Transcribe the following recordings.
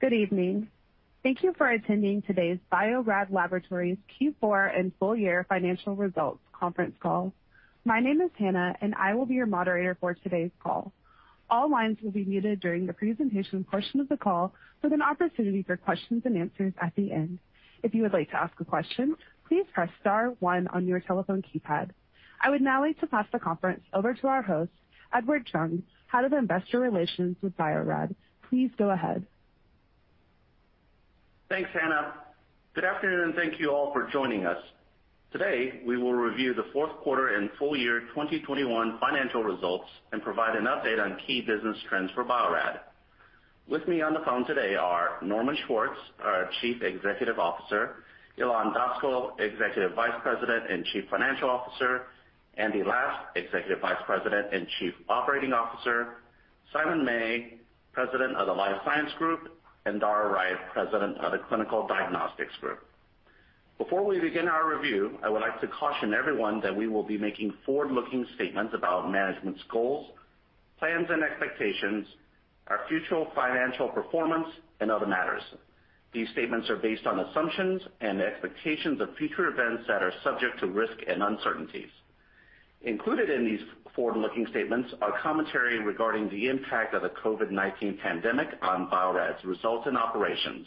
Good evening. Thank you for attending today's Bio-Rad Laboratories Q4 and full year financial results conference call. My name is Hannah, and I will be your moderator for today's call. All lines will be muted during the presentation portion of the call, with an opportunity for questions and answers at the end. If you would like to ask a question, please press star one on your telephone keypad. I would now like to pass the conference over to our host, Edward Chung, Head of Investor Relations with Bio-Rad. Please go ahead. Thanks, Hannah. Good afternoon, and thank you all for joining us. Today, we will review the fourth quarter and full year 2021 financial results and provide an update on key business trends for Bio-Rad. With me on the phone today are Norman Schwartz, our Chief Executive Officer, Ilan Daskal, Executive Vice President and Chief Financial Officer, Andrew Last, Executive Vice President and Chief Operating Officer, Simon May, President of the Life Science Group, and Dara Wright, President of the Clinical Diagnostics Group. Before we begin our review, I would like to caution everyone that we will be making forward-looking statements about management's goals, plans and expectations, our future financial performance, and other matters. These statements are based on assumptions and expectations of future events that are subject to risk and uncertainties. Included in these forward-looking statements are commentary regarding the impact of the COVID-19 pandemic on Bio-Rad's results and operations,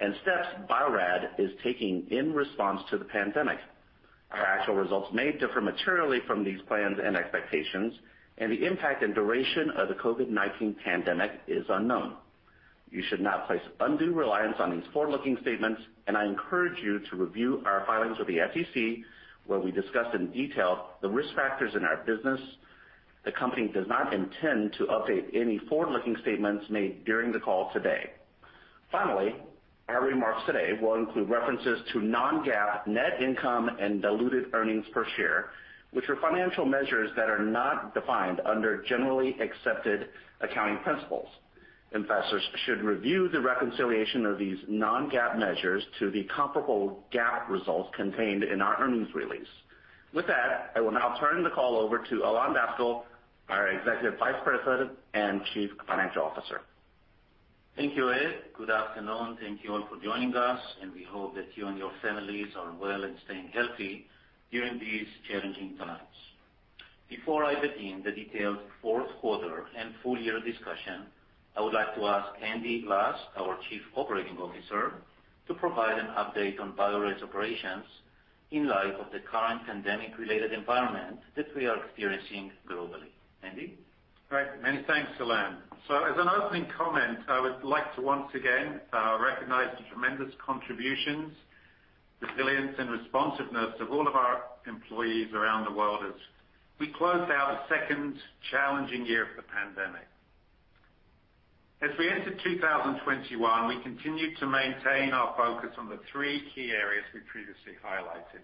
and steps Bio-Rad is taking in response to the pandemic. Our actual results may differ materially from these plans and expectations, and the impact and duration of the COVID-19 pandemic is unknown. You should not place undue reliance on these forward-looking statements, and I encourage you to review our filings with the SEC, where we discuss in detail the risk factors in our business. The company does not intend to update any forward-looking statements made during the call today. Finally, our remarks today will include references to non-GAAP net income and diluted earnings per share, which are financial measures that are not defined under generally accepted accounting principles. Investors should review the reconciliation of these non-GAAP measures to the comparable GAAP results contained in our earnings release. With that, I will now turn the call over to Ilan Daskal, our Executive Vice President and Chief Financial Officer. Thank you, Ed. Good afternoon. Thank you all for joining us, and we hope that you and your families are well and staying healthy during these challenging times. Before I begin the detailed fourth quarter and full year discussion, I would like to ask Andrew Last, our Chief Operating Officer, to provide an update on Bio-Rad's operations in light of the current pandemic-related environment that we are experiencing globally. Andy? Great. Many thanks, Ilan. As an opening comment, I would like to once again recognize the tremendous contributions, resilience, and responsiveness of all of our employees around the world as we close out a second challenging year of the pandemic. As we entered 2021, we continued to maintain our focus on the three key areas we previously highlighted.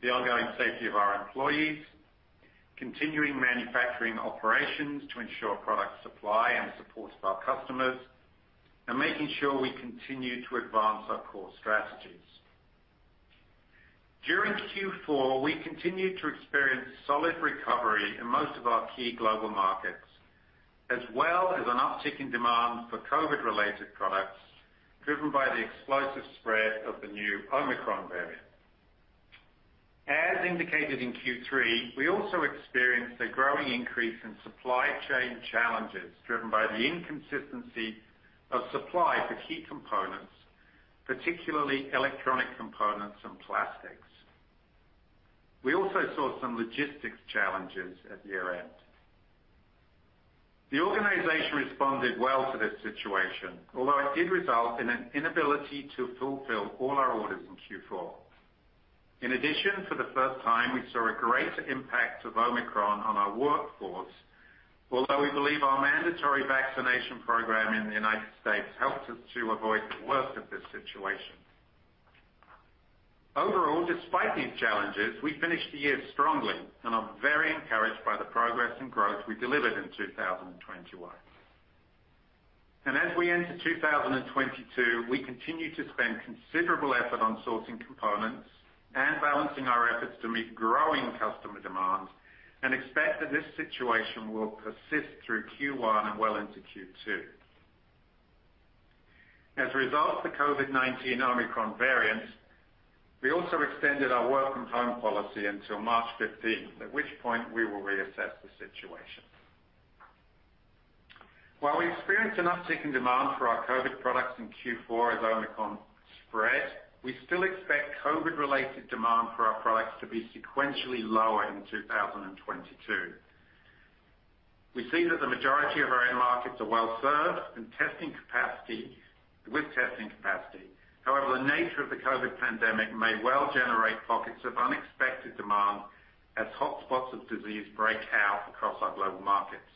The ongoing safety of our employees, continuing manufacturing operations to ensure product supply and support of our customers, and making sure we continue to advance our core strategies. During Q4, we continued to experience solid recovery in most of our key global markets, as well as an uptick in demand for COVID-related products, driven by the explosive spread of the new Omicron variant. As indicated in Q3, we also experienced a growing increase in supply chain challenges, driven by the inconsistency of supply for key components, particularly electronic components and plastics. We also saw some logistics challenges at year-end. The organization responded well to this situation, although it did result in an inability to fulfill all our orders in Q4. In addition, for the first time, we saw a greater impact of Omicron on our workforce, although we believe our mandatory vaccination program in the United States helped us to avoid the worst of this situation. Overall, despite these challenges, we finished the year strongly and are very encouraged by the progress and growth we delivered in 2021. As we enter 2022, we continue to spend considerable effort on sourcing components and balancing our efforts to meet growing customer demands and expect that this situation will persist through Q1 and well into Q2. As a result of the COVID-19 Omicron variant, we also extended our work from home policy until March 15th, at which point we will reassess the situation. While we experienced an uptick in demand for our COVID products in Q4 as Omicron spread, we still expect COVID-related demand for our products to be sequentially lower in 2022. We see that the majority of our end markets are well served with testing capacity. However, the nature of the COVID pandemic may well generate pockets of unexpected demand as hotspots of disease break out across our global markets.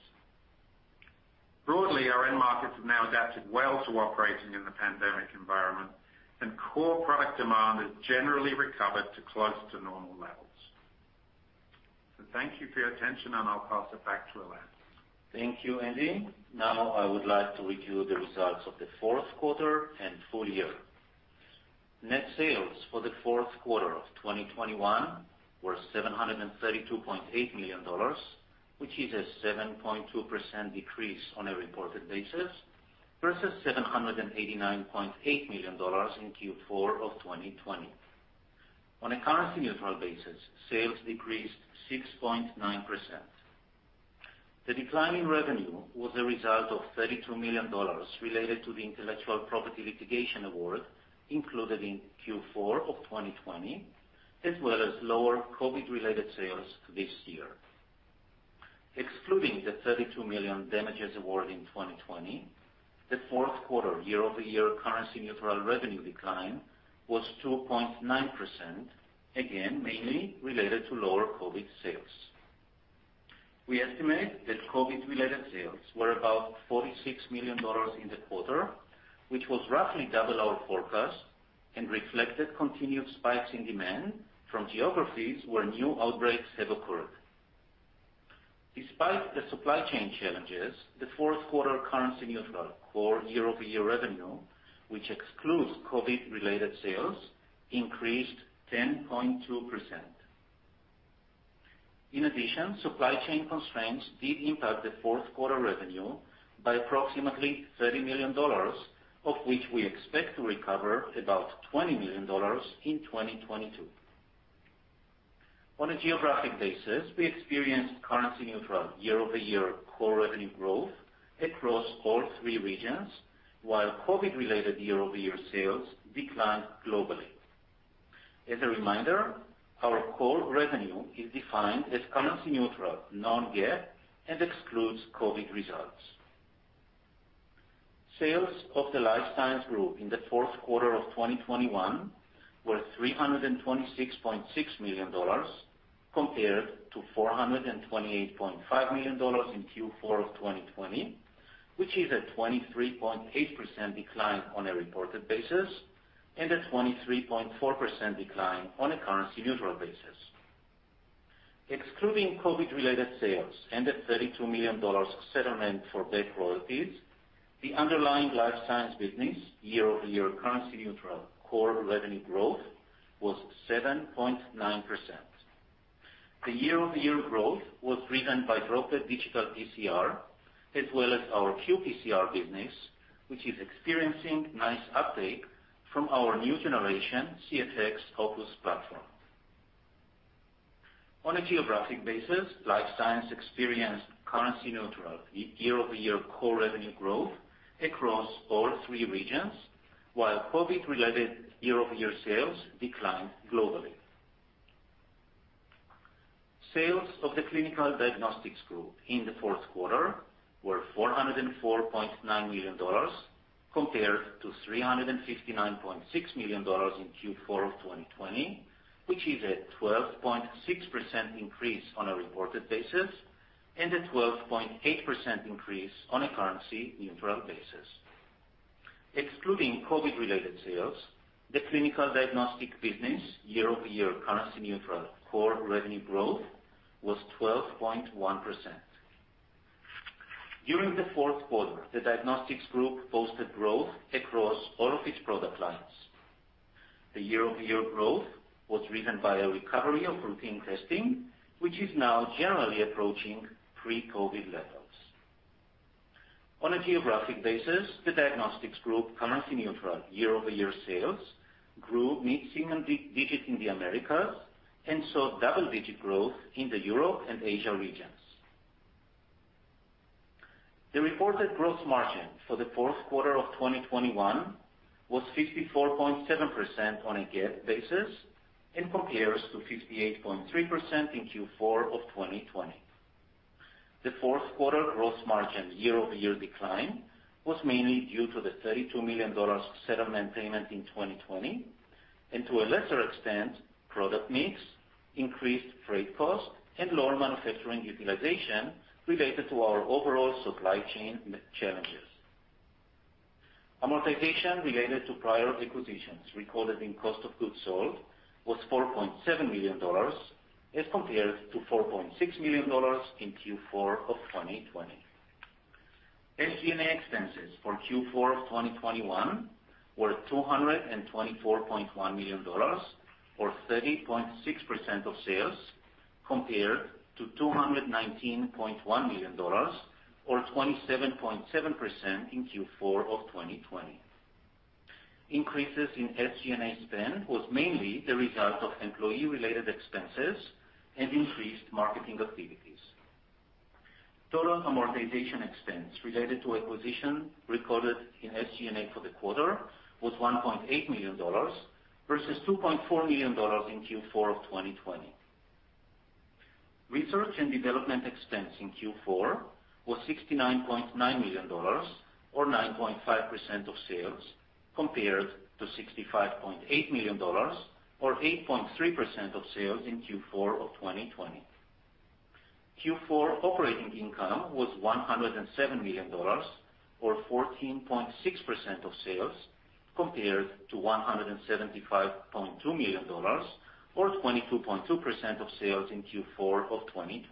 Broadly, our end markets have now adapted well to operating in the pandemic environment, and core product demand has generally recovered to close to normal levels. Thank you for your attention, and I'll pass it back to Ilan. Thank you, Andy. Now I would like to review the results of the fourth quarter and full year. Net sales for the fourth quarter of 2021 were $732.8 million, which is a 7.2% decrease on a reported basis versus $789.8 million in Q4 of 2020. On a currency-neutral basis, sales decreased 6.9%. The decline in revenue was a result of $32 million related to the intellectual property litigation award included in Q4 of 2020, as well as lower COVID-related sales this year. Excluding the $32 million damages award in 2020, the fourth quarter year-over-year currency-neutral revenue decline was 2.9%, again, mainly related to lower COVID sales. We estimate that COVID-related sales were about $46 million in the quarter, which was roughly double our forecast and reflected continued spikes in demand from geographies where new outbreaks have occurred. Despite the supply chain challenges, the fourth quarter currency neutral core year-over-year revenue, which excludes COVID-related sales, increased 10.2%. In addition, supply chain constraints did impact the fourth quarter revenue by approximately $30 million, of which we expect to recover about $20 million in 2022. On a geographic basis, we experienced currency neutral year-over-year core revenue growth across all three regions, while COVID-related year-over-year sales declined globally. As a reminder, our core revenue is defined as currency neutral, non-GAAP and excludes COVID results. Sales of the Life Science Group in the fourth quarter of 2021 were $326.6 million compared to $428.5 million in Q4 of 2020, which is a 23.8% decline on a reported basis and a 23.4% decline on a currency-neutral basis. Excluding COVID-related sales and the $32 million settlement for back royalties, the underlying Life Science business year-over-year currency-neutral core revenue growth was 7.9%. The year-over-year growth was driven by Droplet Digital PCR as well as our qPCR business, which is experiencing nice uptake from our new generation CFX Opus platform. On a geographic basis, Life Science experienced currency-neutral year-over-year core revenue growth across all three regions, while COVID-related year-over-year sales declined globally. Sales of the Clinical Diagnostics Group in the fourth quarter were $404.9 million compared to $359.6 million in Q4 of 2020, which is a 12.6% increase on a reported basis and a 12.8% increase on a currency neutral basis. Excluding COVID-related sales, the Clinical Diagnostics business year-over-year currency neutral core revenue growth was 12.1%. During the fourth quarter, the Clinical Diagnostics Group posted growth across all of its product lines. The year-over-year growth was driven by a recovery of routine testing, which is now generally approaching pre-COVID levels. On a geographic basis, the Clinical Diagnostics Group currency neutral year-over-year sales grew mid-single digit in the Americas and saw double-digit growth in the Europe and Asia regions. The reported gross margin for the fourth quarter of 2021 was 54.7% on a GAAP basis and compares to 58.3% in Q4 of 2020. The fourth quarter gross margin year-over-year decline was mainly due to the $32 million settlement payment in 2020 and to a lesser extent, product mix, increased freight cost and lower manufacturing utilization related to our overall supply chain challenges. Amortization related to prior acquisitions recorded in cost of goods sold was $4.7 million as compared to $4.6 million in Q4 of 2020. SG&A expenses for Q4 of 2021 were $224.1 million or 30.6% of sales, compared to $219.1 million or 27.7% in Q4 of 2020. Increases in SG&A spend was mainly the result of employee-related expenses and increased marketing activities. Total amortization expense related to acquisition recorded in SG&A for the quarter was $1.8 million versus $2.4 million in Q4 of 2020. Research and development expense in Q4 was $69.9 million or 9.5% of sales, compared to $65.8 million or 8.3% of sales in Q4 of 2020. Q4 operating income was $107 million or 14.6% of sales, compared to $175.2 million or 22.2% of sales in Q4 of 2020.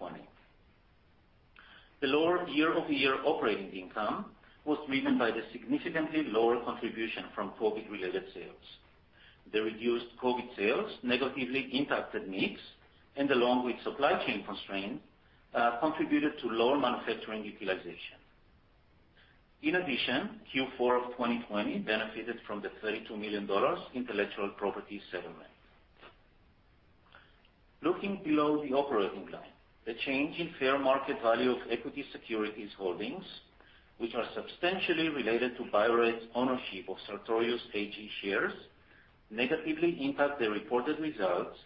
The lower year-over-year operating income was driven by the significantly lower contribution from COVID-related sales. The reduced COVID sales negatively impacted mix, and along with supply chain constraints, contributed to lower manufacturing utilization. In addition, Q4 of 2020 benefited from the $32 million intellectual property settlement. Looking below the operating line, the change in fair market value of equity securities holdings, which are substantially related to Bio-Rad's ownership of Sartorius AG shares, negatively impact the reported results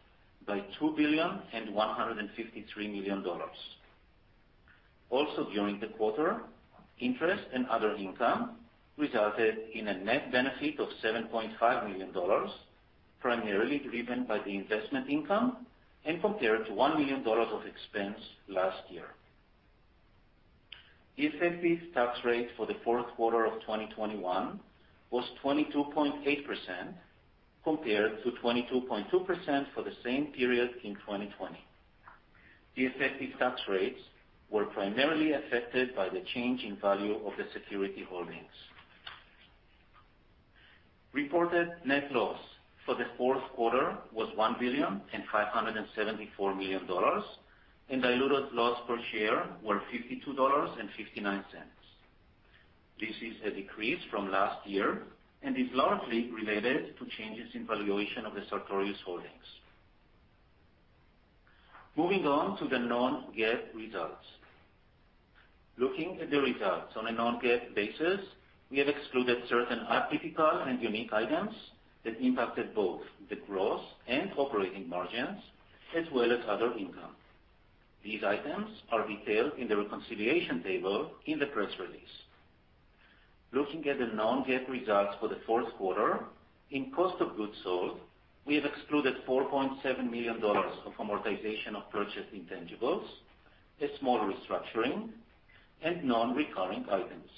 by $2.153 billion. Also, during the quarter, interest and other income resulted in a net benefit of $7.5 million, primarily driven by the investment income and compared to $1 million of expense last year. The effective tax rate for the fourth quarter of 2021 was 22.8% compared to 22.2% for the same period in 2020. The effective tax rates were primarily affected by the change in value of the security holdings. Reported net loss for the fourth quarter was $1.574 billion, and diluted loss per share were $52.59. This is a decrease from last year and is largely related to changes in valuation of the Sartorius holdings. Moving on to the non-GAAP results. Looking at the results on a non-GAAP basis, we have excluded certain atypical and unique items that impacted both the gross and operating margins as well as other income. These items are detailed in the reconciliation table in the press release. Looking at the non-GAAP results for the fourth quarter, in cost of goods sold, we have excluded $4.7 million of amortization of purchased intangibles, a small restructuring, and non-recurring items.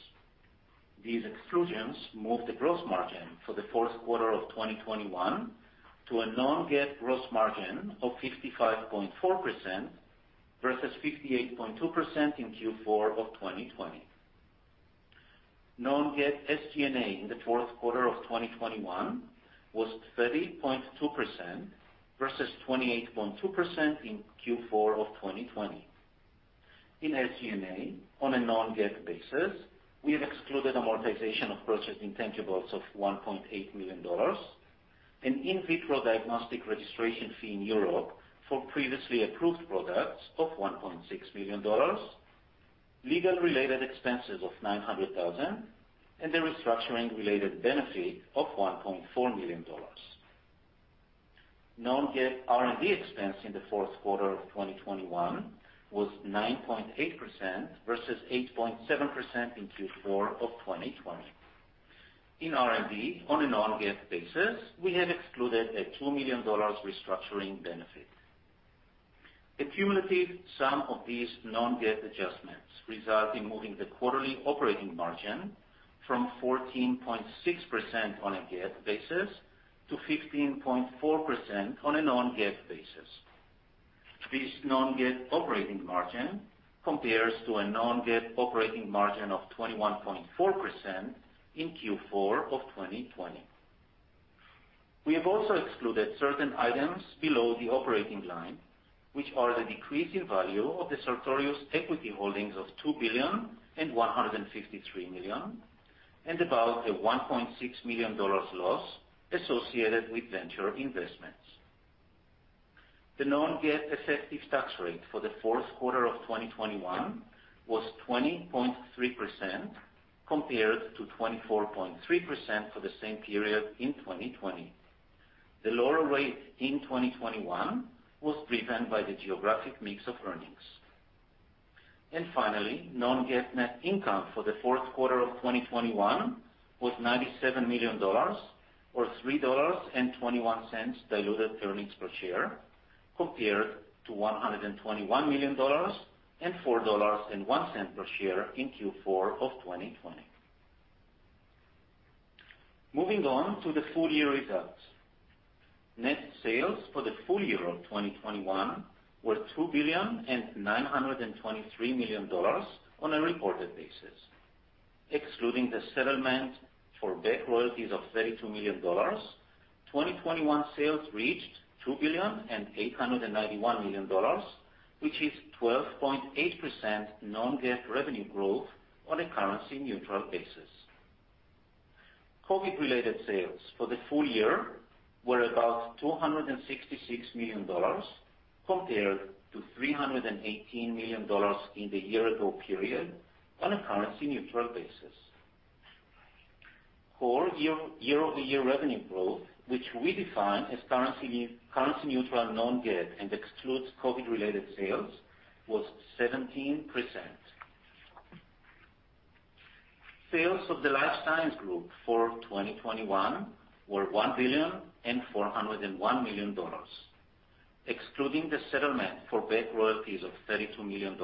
These exclusions moved the gross margin for the fourth quarter of 2021 to a non-GAAP gross margin of 55.4% versus 58.2% in Q4 of 2020. Non-GAAP SG&A in the fourth quarter of 2021 was 30.2% versus 28.2% in Q4 of 2020. In SG&A, on a non-GAAP basis, we have excluded amortization of purchased intangibles of $1.8 million, an in vitro diagnostic registration fee in Europe for previously approved products of $1.6 million, legal-related expenses of $900,000, and the restructuring-related benefit of $1.4 million. Non-GAAP R&D expense in the fourth quarter of 2021 was 9.8% versus 8.7% in Q4 of 2020. In R&D, on a non-GAAP basis, we have excluded a $2 million restructuring benefit. A cumulative sum of these non-GAAP adjustments result in moving the quarterly operating margin from 14.6% on a GAAP basis to 15.4% on a non-GAAP basis. This non-GAAP operating margin compares to a non-GAAP operating margin of 21.4% in Q4 of 2020. We have also excluded certain items below the operating line, which are the decrease in value of the Sartorius equity holdings of $2.153 billion, and about a $1.6 million loss associated with venture investments. The non-GAAP effective tax rate for the fourth quarter of 2021 was 20.3% compared to 24.3% for the same period in 2020. The lower rate in 2021 was driven by the geographic mix of earnings. Finally, non-GAAP net income for the fourth quarter of 2021 was $97 million or $3.21 diluted earnings per share, compared to $121 million and $4.01 per share in Q4 of 2020. Moving on to the full year results. Net sales for the full year of 2021 were $2.923 billion on a reported basis. Excluding the settlement for back royalties of $32 million, 2021 sales reached $2.891 billion, which is 12.8% non-GAAP revenue growth on a currency neutral basis. COVID-related sales for the full year were about $266 million compared to $318 million in the year-ago period on a currency neutral basis. Core year-over-year revenue growth, which we define as currency neutral and non-GAAP and excludes COVID-related sales, was 17%. Sales of the Life Science Group for 2021 were $1.401 billion. Excluding the settlement for back royalties of $32 million,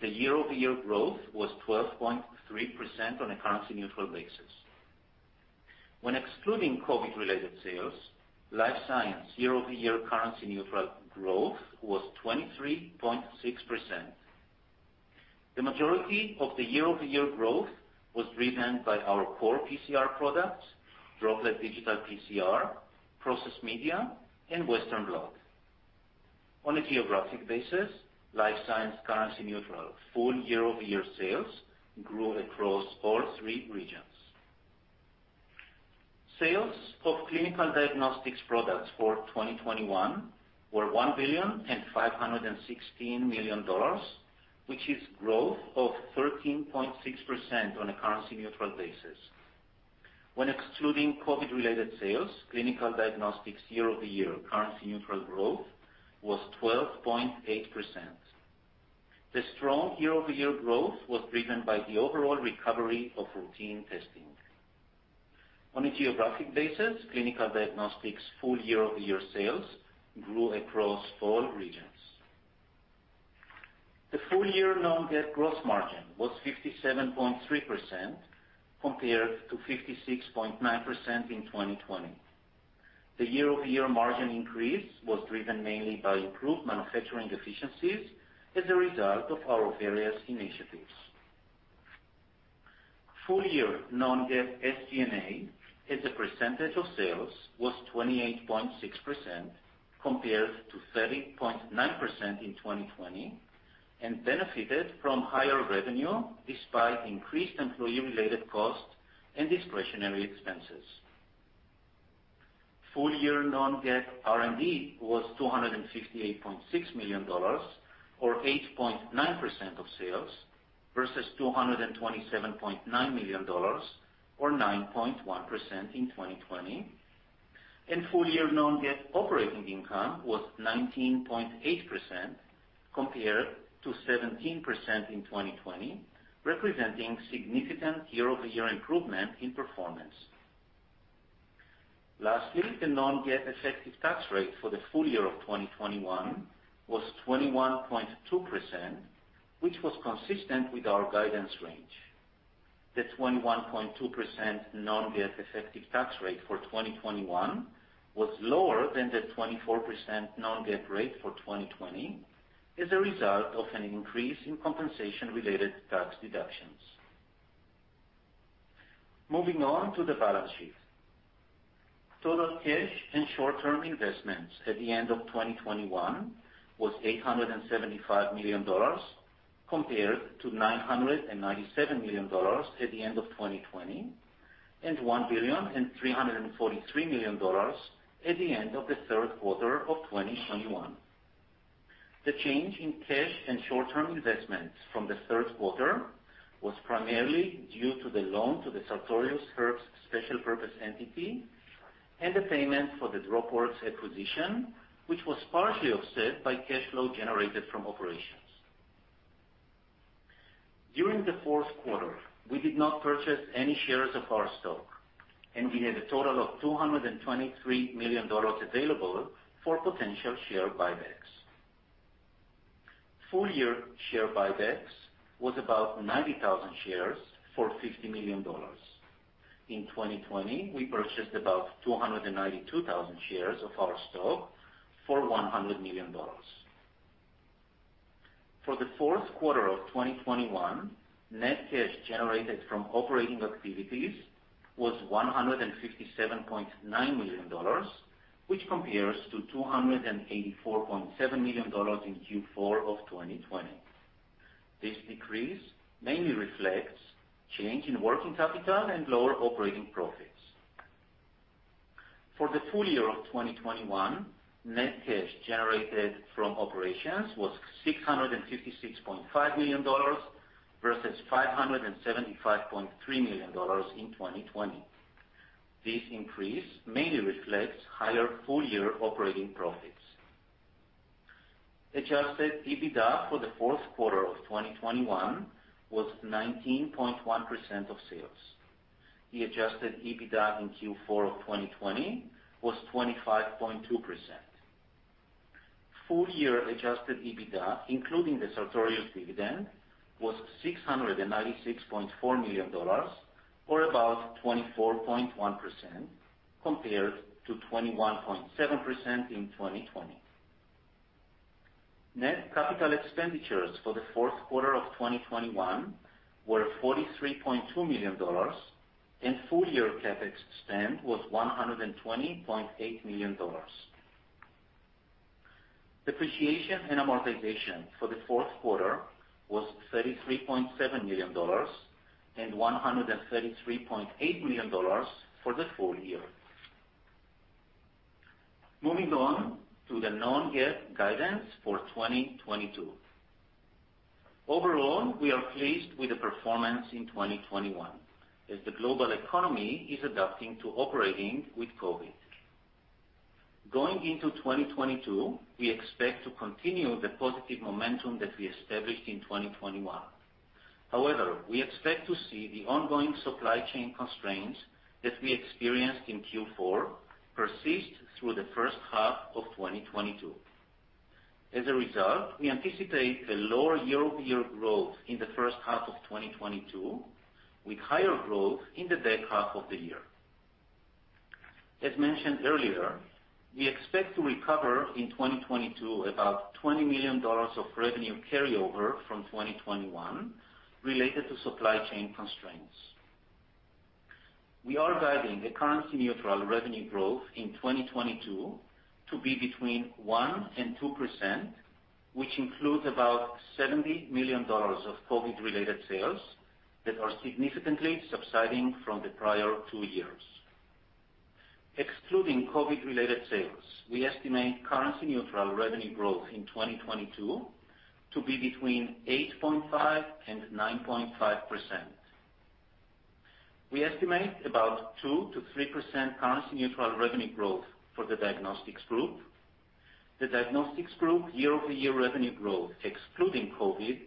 the year-over-year growth was 12.3% on a currency neutral basis. When excluding COVID related sales, Life Science year-over-year currency neutral growth was 23.6%. The majority of the year-over-year growth was driven by our core PCR products, Droplet Digital PCR, process media and western blot. On a geographic basis, Life Science currency neutral full year-over-year sales grew across all three regions. Sales of clinical diagnostics products for 2021 were $1.516 billion, which is growth of 13.6% on a currency neutral basis. When excluding COVID related sales, Clinical Diagnostics year-over-year currency neutral growth was 12.8%. The strong year-over-year growth was driven by the overall recovery of routine testing. On a geographic basis, Clinical Diagnostics full-year year-over-year sales grew across all regions. The full-year non-GAAP gross margin was 57.3% compared to 56.9% in 2020. The year-over-year margin increase was driven mainly by improved manufacturing efficiencies as a result of our various initiatives. Full-year non-GAAP SG&A as a percentage of sales was 28.6% compared to 30.9% in 2020 and benefited from higher revenue despite increased employee related costs and discretionary expenses. Full year non-GAAP R&D was $258.6 million or 8.9% of sales versus $227.9 million or 9.1% in 2020. Full year non-GAAP operating income was 19.8% compared to 17% in 2020, representing significant year-over-year improvement in performance. Lastly, the non-GAAP effective tax rate for the full year of 2021 was 21.2%, which was consistent with our guidance range. The 21.2% non-GAAP effective tax rate for 2021 was lower than the 24% non-GAAP rate for 2020 as a result of an increase in compensation related tax deductions. Moving on to the balance sheet. Total cash and short-term investments at the end of 2021 was $875 million compared to $997 million at the end of 2020 and $1,343 million at the end of the third quarter of 2021. The change in cash and short-term investments from the third quarter was primarily due to the loan to the Sartorius-Herbst special purpose entity and the payment for the Dropworks acquisition, which was partially offset by cash flow generated from operations. During the fourth quarter, we did not purchase any shares of our stock, and we had a total of $223 million available for potential share buybacks. Full year share buybacks was about 90,000 shares for $50 million. In 2020, we purchased about 292,000 shares of our stock for $100 million. For the fourth quarter of 2021, net cash generated from operating activities was $157.9 million, which compares to $284.7 million in Q4 of 2020. This decrease mainly reflects change in working capital and lower operating profits. For the full year of 2021, net cash generated from operations was $656.5 million versus $575.3 million in 2020. This increase mainly reflects higher full-year operating profits. Adjusted EBITDA for the fourth quarter of 2021 was 19.1% of sales. The Adjusted EBITDA in Q4 of 2020 was 25.2%. Full year Adjusted EBITDA, including the Sartorius dividend, was $696.4 million or about 24.1% compared to 21.7% in 2020. Net capital expenditures for the fourth quarter of 2021 were $43.2 million and full year CapEx spend was $120.8 million. Depreciation and amortization for the fourth quarter was $33.7 million and $133.8 million for the full year. Moving on to the non-GAAP guidance for 2022. Overall, we are pleased with the performance in 2021 as the global economy is adapting to operating with COVID. Going into 2022, we expect to continue the positive momentum that we established in 2021. However, we expect to see the ongoing supply chain constraints that we experienced in Q4 persist through the first half of 2022. As a result, we anticipate a lower year-over-year growth in the first half of 2022, with higher growth in the back half of the year. As mentioned earlier, we expect to recover in 2022 about $20 million of revenue carryover from 2021 related to supply chain constraints. We are guiding the currency neutral revenue growth in 2022 to be between 1% and 2%, which includes about $70 million of COVID-related sales that are significantly subsiding from the prior two years. Excluding COVID-related sales, we estimate currency neutral revenue growth in 2022 to be between 8.5% and 9.5%. We estimate about 2%-3% currency neutral revenue growth for the diagnostics group. The Diagnostics Group year-over-year revenue growth excluding COVID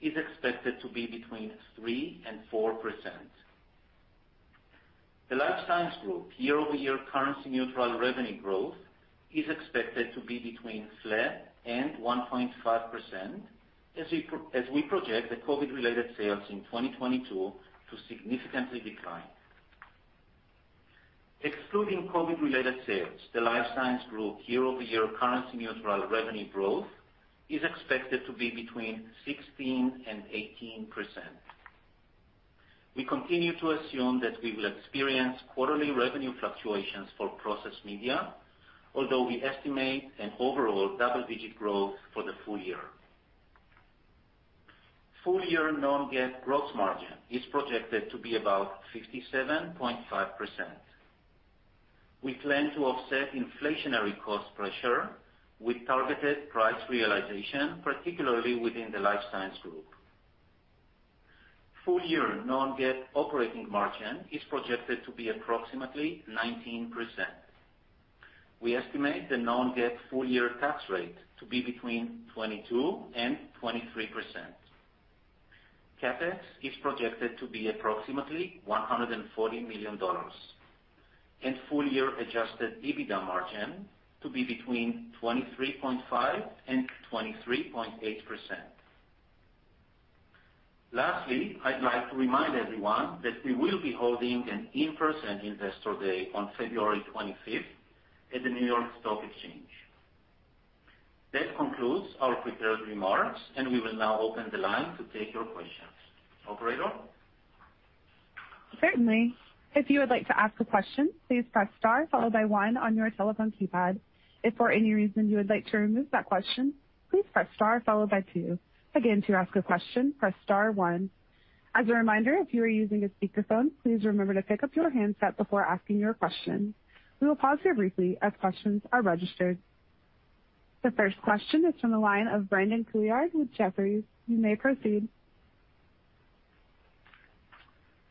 is expected to be between 3% and 4%. The Life Science Group year-over-year currency neutral revenue growth is expected to be between flat and 1.5%, as we project the COVID-related sales in 2022 to significantly decline. Excluding COVID-related sales, the Life Science Group year-over-year currency neutral revenue growth is expected to be between 16% and 18%. We continue to assume that we will experience quarterly revenue fluctuations for Process Media, although we estimate an overall double-digit growth for the full year. Full-year non-GAAP gross margin is projected to be about 57.5%. We plan to offset inflationary cost pressure with targeted price realization, particularly within the Life Science Group. Full-year non-GAAP operating margin is projected to be approximately 19%. We estimate the non-GAAP full-year tax rate to be between 22%-23%. CapEx is projected to be approximately $140 million, and full-year Adjusted EBITDA margin to be between 23.5%-23.8%. Lastly, I'd like to remind everyone that we will be holding an in-person investor day on February 25th at the New York Stock Exchange. That concludes our prepared remarks, and we will now open the line to take your questions. Operator? The first question is from the line of Brandon Couillard with Jefferies. You may proceed.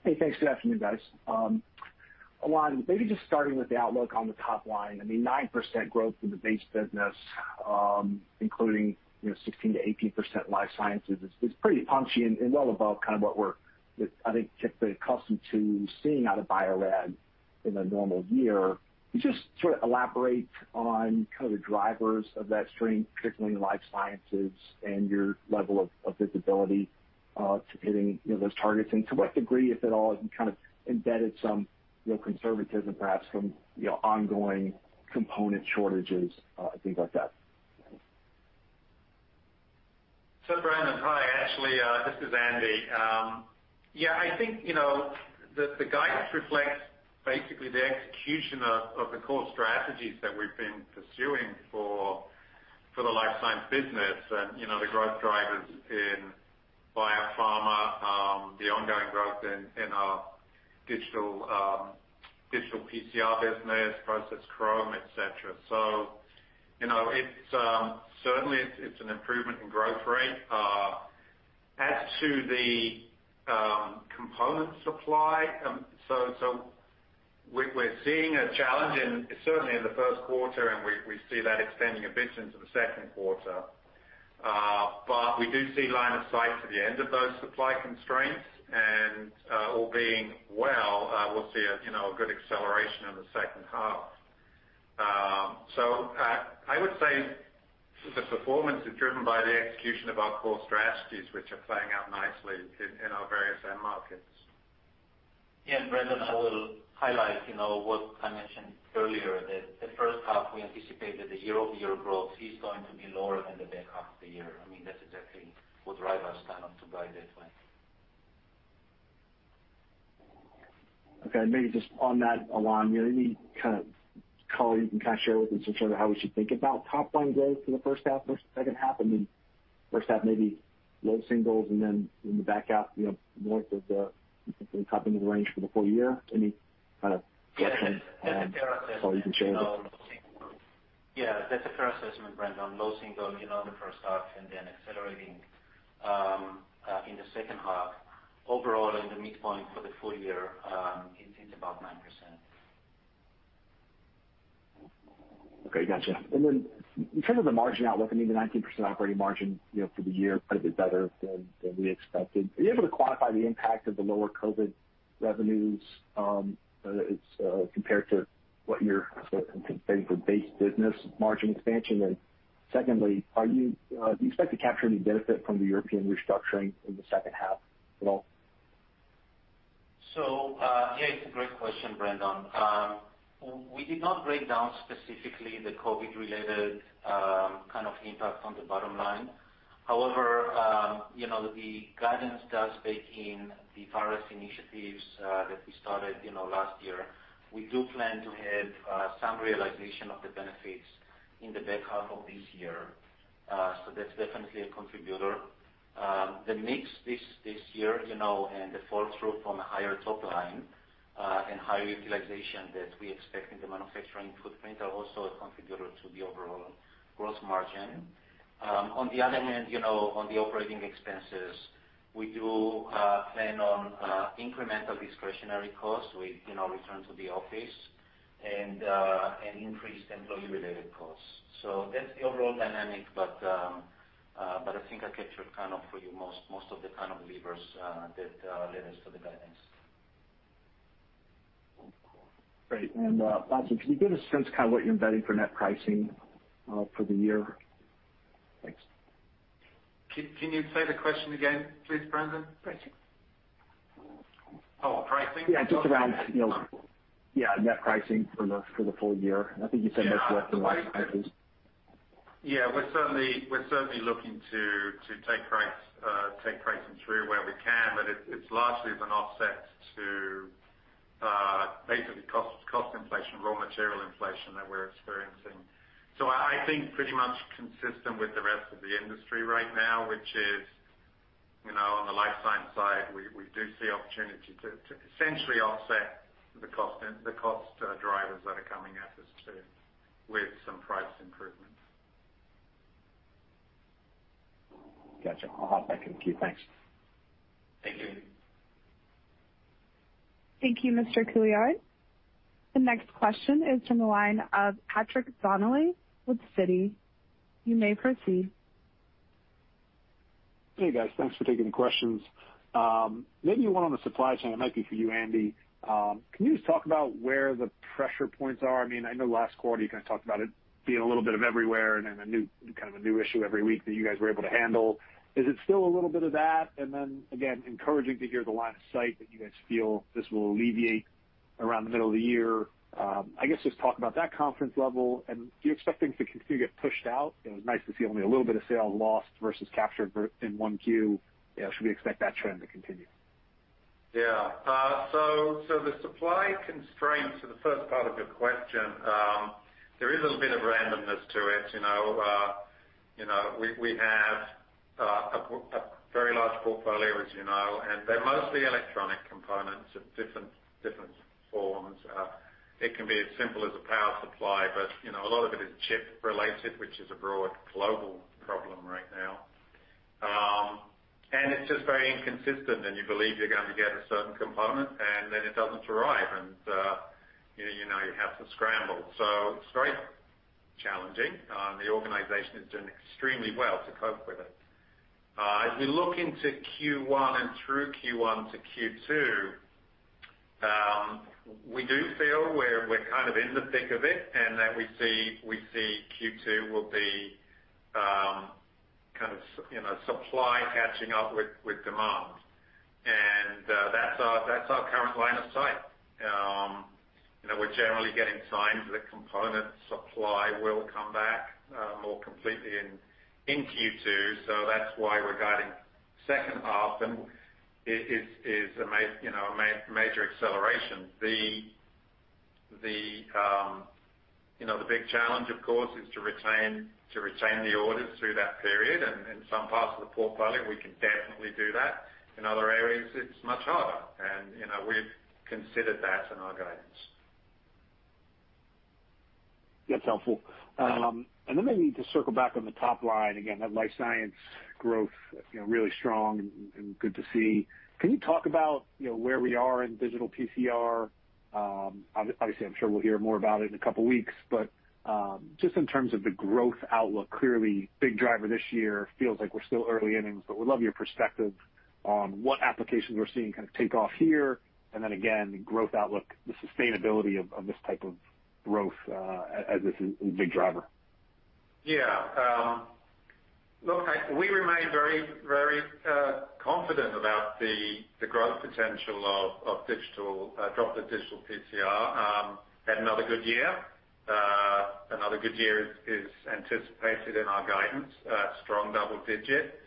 Hey, thanks. Good afternoon, guys. Ilan, maybe just starting with the outlook on the top line, I mean, 9% growth in the base business, including, you know, 16%-18% life sciences is pretty punchy and well above kind of what we're, I think, typically accustomed to seeing out of Bio-Rad in a normal year. Can you just sort of elaborate on kind of the drivers of that strength, particularly in life sciences and your level of visibility to hitting, you know, those targets? And to what degree, if at all, have you kind of embedded some, you know, conservatism perhaps from, you know, ongoing component shortages and things like that? Brandon, hi. Actually, this is Andy. Yeah, I think you know the guidance reflects basically the execution of the core strategies that we've been pursuing for the life science business and you know the growth drivers in biopharma, the ongoing growth in our digital PCR business, process chromatography, et cetera. You know, it's certainly an improvement in growth rate. As to the component supply, we're seeing a challenge, certainly in the first quarter and we see that extending a bit into the second quarter. But we do see line of sight to the end of those supply constraints and all being well we'll see you know a good acceleration in the second half. I would say the performance is driven by the execution of our core strategies, which are playing out nicely in our various end markets. Yeah, Brandon, I will highlight, you know, what I mentioned earlier, that the first half we anticipated the year-over-year growth is going to be lower than the back half of the year. I mean, that's exactly what drove us kind of to guide that way. Okay. Maybe just on that, Ilan, you know, any kind of color you can kind of share with in terms of how we should think about top line growth for the first half versus second half? I mean, first half maybe low singles and then in the back half, you know, more to the top end of the range for the full year. Any kind of direction? Yeah. Color you can share with us? Yeah. That's a fair assessment, Brandon. Low single, you know, in the first half and then accelerating in the second half. Overall, in the midpoint for the full year, it's about 9%. Okay, gotcha. In terms of the margin outlook, I mean, the 19% operating margin, you know, for the year quite a bit better than we expected. Are you able to quantify the impact of the lower COVID revenues as compared to what you're sort of anticipating for base business margin expansion? Secondly, do you expect to capture any benefit from the European restructuring in the second half at all? It's a great question, Brandon. We did not break down specifically the COVID-related kind of impact on the bottom line. However, you know, the guidance does bake in the various initiatives that we started, you know, last year. We do plan to have some realization of the benefits in the back half of this year. That's definitely a contributor. The mix this year, you know, and the fall-through from a higher top line and higher utilization that we expect in the manufacturing footprint are also a contributor to the overall gross margin. On the other hand, you know, on the operating expenses, we do plan on incremental discretionary costs with, you know, return to the office and increased employee-related costs. That's the overall dynamic. I think I captured kind of for you most of the kind of levers that led us to the guidance. Great. Ilan, can you give a sense kind of what you're embedding for net pricing, for the year? Thanks. Can you say the question again, please, Brandon? Pricing. Oh, pricing. Yeah, just around, you know, net pricing for the full year. I think you said most recent- Yeah. We're certainly looking to take pricing through where we can, but it's largely an offset to basically cost inflation, raw material inflation that we're experiencing. I think pretty much consistent with the rest of the industry right now, which is, you know, on the life science side, we do see opportunity to essentially offset the cost drivers that are coming at us too with some price improvements. Gotcha. I'll hop back in the queue. Thanks. Thank you. Thank you, Mr. Couillard. The next question is from the line of Patrick Donnelly with Citi. You may proceed. Hey, guys. Thanks for taking the questions. Maybe one on the supply chain. It might be for you, Andy. Can you just talk about where the pressure points are? I mean, I know last quarter you kind of talked about it being a little bit of everywhere and then kind of a new issue every week that you guys were able to handle. Is it still a little bit of that? Then again, encouraging to hear the line of sight that you guys feel this will alleviate around the middle of the year. I guess just talk about that confidence level, and do you expect things to continue to get pushed out? It was nice to see only a little bit of sales lost versus captured in one Q. You know, should we expect that trend to continue? The supply constraints for the first part of your question, there is a bit of randomness to it, you know. You know, we have a very large portfolio, as you know, and they're mostly electronic components of different forms. It can be as simple as a power supply, but you know a lot of it is chip related, which is a broad global problem right now. It's just very inconsistent, and you believe you're going to get a certain component, and then it doesn't arrive and you know you have to scramble. It's very challenging. The organization is doing extremely well to cope with it. As we look into Q1 and through Q1 to Q2, we do feel we're kind of in the thick of it and that we see Q2 will be kind of supply catching up with demand. That's our current line of sight. You know, we're generally getting signs that component supply will come back more completely in Q2, so that's why we're guiding second half. It is a major acceleration. The big challenge of course is to retain the orders through that period. In some parts of the portfolio we can definitely do that. In other areas it's much harder and, you know, we've considered that in our guidance. That's helpful. Maybe to circle back on the top line again, that life science growth, you know, really strong and good to see. Can you talk about, you know, where we are in digital PCR? Obviously I'm sure we'll hear more about it in a couple weeks, but just in terms of the growth outlook, clearly big driver this year. Feels like we're still early innings, but would love your perspective on what applications we're seeing kind of take off here. Again, the growth outlook, the sustainability of this type of growth, as this big driver. Yeah. Look, we remain very confident about the growth potential of Droplet Digital PCR. We had another good year. Another good year is anticipated in our guidance, strong double-digit.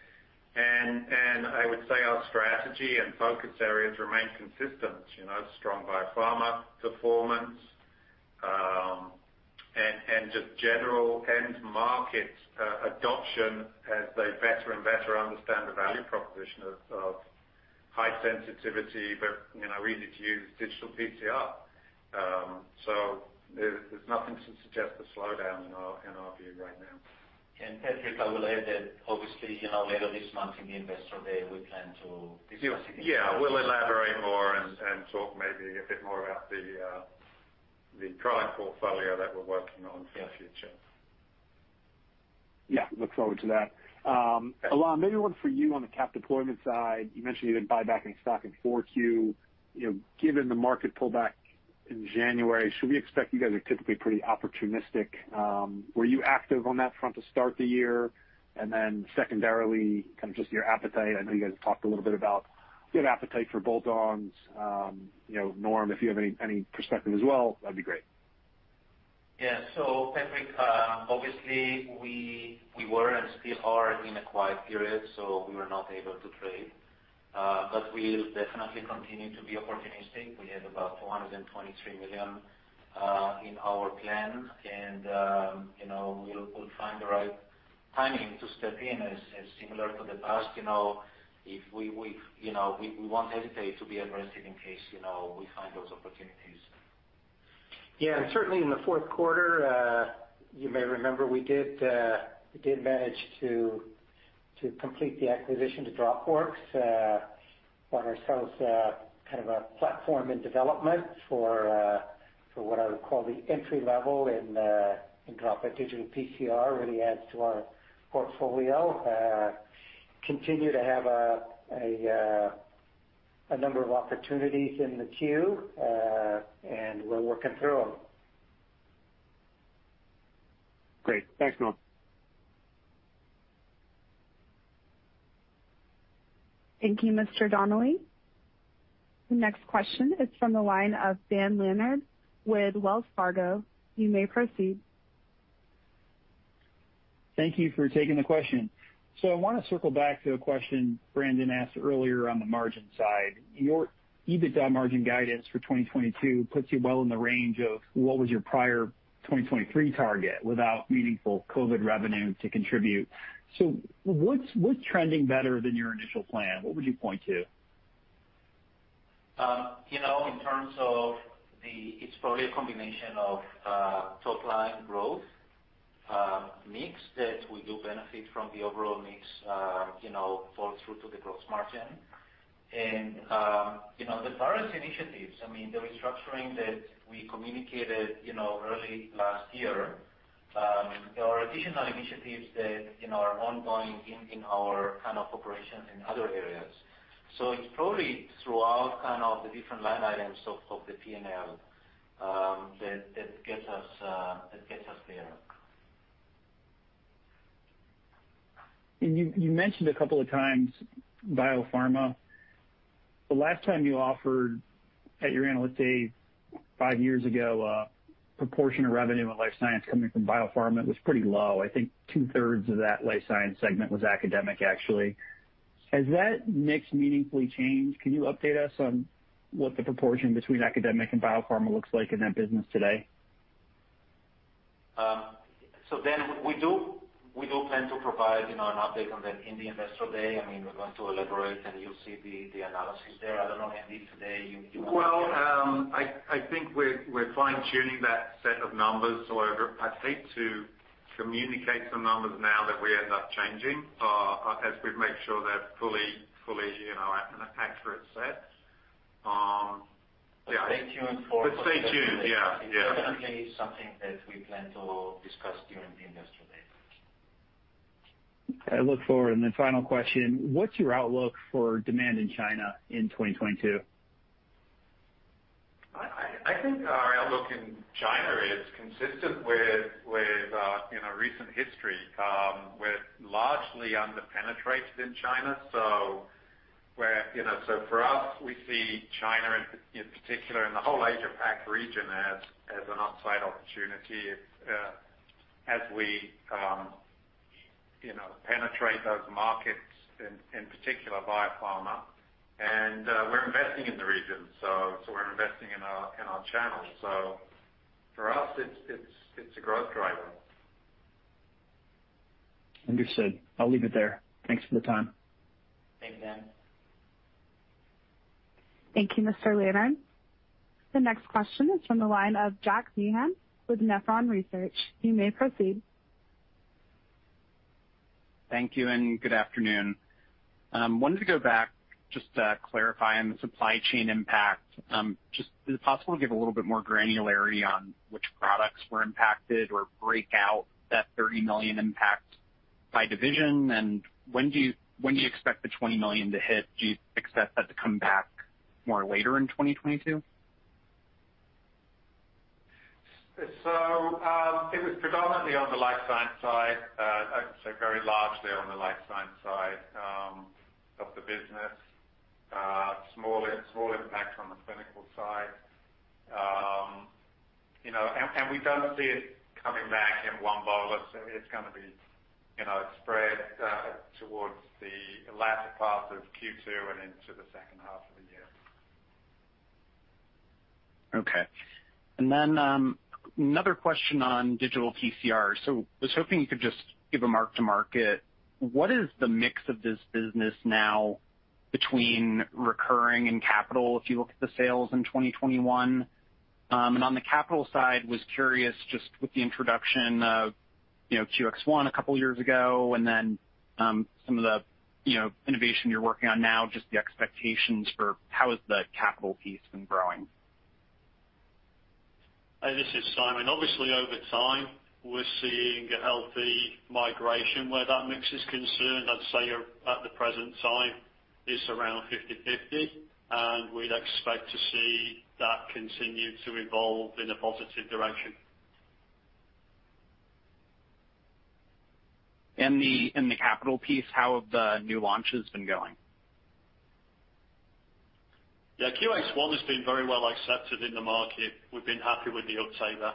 I would say our strategy and focus areas remain consistent, you know, strong biopharma performance, and just general end market adoption as they better and better understand the value proposition of high sensitivity, but you know, easy to use digital PCR. There's nothing to suggest a slowdown in our view right now. Patrick, I will add that obviously, you know, later this month in the Investor Day we plan to discuss it. Yeah. We'll elaborate more and talk maybe a bit more about the product portfolio that we're working on for the future. Yeah. Look forward to that. Ilan, maybe one for you on the capital deployment side. You mentioned you've been buying back any stock in 4Q. You know, given the market pullback in January, should we expect you guys are typically pretty opportunistic. Were you active on that front to start the year? Then secondarily, kind of just your appetite. I know you guys talked a little bit about your appetite for bolt-ons. You know, Norm, if you have any perspective as well, that'd be great. Yeah. Patrick, obviously we were and still are in a quiet period, so we were not able to trade. We'll definitely continue to be opportunistic. We have about $423 million in our plan, and you know, we'll find the right timing to step in. As similar to the past, you know, if we won't hesitate to be aggressive in case, you know, we find those opportunities. Yeah. Certainly in the fourth quarter, you may remember we did manage to complete the acquisition of Dropworks. Bought ourselves a kind of a platform in development for what I would call the entry level in digital PCR, really adds to our portfolio. Continue to have a number of opportunities in the queue, and we're working through them. Great. Thanks, Norm. Thank you, Mr. Donnelly. The next question is from the line of Dan Leonard with Wells Fargo. You may proceed. Thank you for taking the question. I wanna circle back to a question Brandon asked earlier on the margin side. Your EBITDA margin guidance for 2022 puts you well in the range of what was your prior 2023 target without meaningful COVID revenue to contribute. What's trending better than your initial plan? What would you point to? You know, in terms of, it's probably a combination of top line growth, mix that we do benefit from the overall mix, you know, flow through to the gross margin. You know, the various initiatives, I mean, the restructuring that we communicated, you know, early last year, there are additional initiatives that, you know, are ongoing in our kind of operations in other areas. It's probably throughout kind of the different line items of the P&L, that gets us there. You mentioned a couple of times biopharma. The last time you offered at your Analyst Day five years ago, a proportion of revenue in Life Science coming from biopharma was pretty low. I think two-thirds of that Life Science segment was academic actually. Has that mix meaningfully changed? Can you update us on what the proportion between academic and biopharma looks like in that business today? Dan, we do plan to provide, you know, an update on that in the Investor Day. I mean, we're going to elaborate, and you'll see the analysis there. I don't know, Andy, today you- Well, I think we're fine-tuning that set of numbers. I'd hate to communicate some numbers now that we end up changing, as we make sure they're fully, you know, an accurate set. Yeah. Stay tuned for- Stay tuned. Yeah. Yeah. It's definitely something that we plan to discuss during the Investor Day. I look forward. Final question, what's your outlook for demand in China in 2022? I think our outlook in China is consistent with you know, recent history, with largely underpenetrated in China. You know, for us, we see China in particular in the whole Asia-Pac region as an upside opportunity, as we you know, penetrate those markets in particular biopharma. We're investing in the region, so we're investing in our channels. For us, it's a growth driver. Understood. I'll leave it there. Thanks for the time. Thanks, Dan. Thank you, Mr. Leonard. The next question is from the line of Jack Meehan with Nephron Research. You may proceed. Thank you, and good afternoon. I wanted to go back just to clarify on the supply chain impact. Just, is it possible to give a little bit more granularity on which products were impacted or break out that $30 million impact by division? When do you expect the $20 million to hit? Do you expect that to come back more later in 2022? It was predominantly on the life science side. I'd say very largely on the life science side of the business. Small impact on the clinical side. You know, and we don't see it coming back in one bolus. It's gonna be, you know, spread towards the latter part of Q2 and into the second half of the year. Okay. Another question on digital PCR. I was hoping you could just give a mark to market. What is the mix of this business now between recurring and capital, if you look at the sales in 2021? On the capital side, I was curious just with the introduction of, you know, QX ONE a couple years ago and then, some of the, you know, innovation you're working on now, just the expectations for how has the capital piece been growing? Hey, this is Simon. Obviously, over time, we're seeing a healthy migration where that mix is concerned. I'd say at the present time, it's around 50/50, and we'd expect to see that continue to evolve in a positive direction. In the capital piece, how have the new launches been going? Yeah, QX ONE has been very well accepted in the market. We've been happy with the uptake there.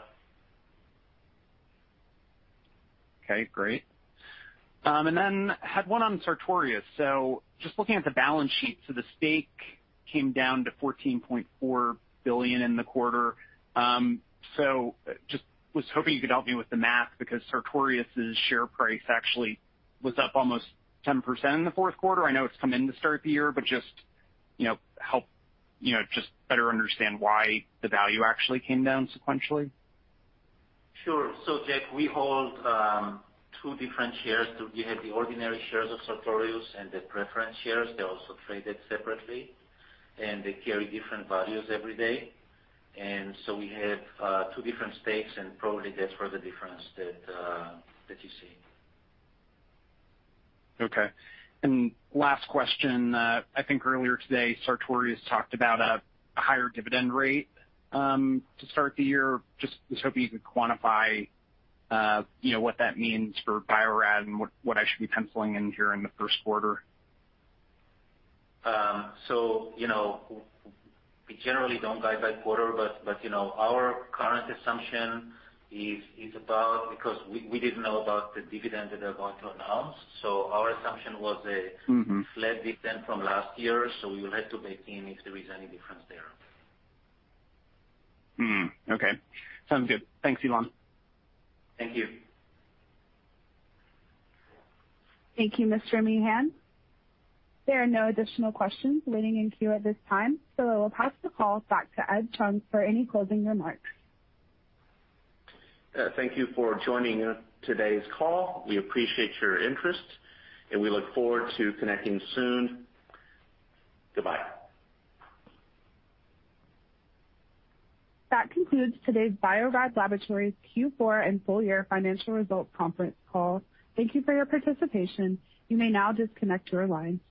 Okay, great. Had one on Sartorius. Just looking at the balance sheet. The stake came down to $14.4 billion in the quarter. Just was hoping you could help me with the math because Sartorius's share price actually was up almost 10% in the fourth quarter. I know it's come down to start the year, but just, you know, help, you know, just better understand why the value actually came down sequentially. Sure. Jack, we hold two different shares. We have the ordinary shares of Sartorius and the preference shares. They're also traded separately, and they carry different values every day. We have two different stakes, and probably that's where the difference that you see. Okay. Last question. I think earlier today, Sartorius talked about a higher dividend rate to start the year. Hope you could quantify what that means for Bio-Rad and what I should be penciling in here in the first quarter. You know, we generally don't guide by quarter, but you know, our current assumption is about because we didn't know about the dividend that they're going to announce. Our assumption was a flat dividend from last year. We will have to bake in if there is any difference there. Okay. Sounds good. Thanks, Ilan. Thank you. Thank you, Mr. Meehan. There are no additional questions waiting in queue at this time, so I will pass the call back to Edward Chung for any closing remarks. Thank you for joining today's call. We appreciate your interest, and we look forward to connecting soon. Goodbye. That concludes today's Bio-Rad Laboratories' Q4 and full year financial results conference call. Thank you for your participation. You may now disconnect your lines.